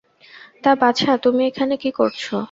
তা, বাছা, তুমি এখানে কী করছ?